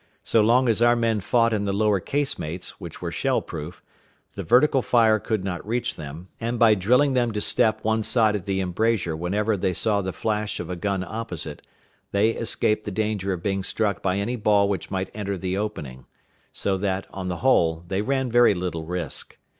So long as our men fought in the lower casemates, which were shell proof, the vertical fire could not reach them; and by drilling them to step one side of the embrasure whenever they saw the flash of a gun opposite, they escaped the danger of being struck by any ball which might enter the opening; so that, on the whole, they ran very little risk.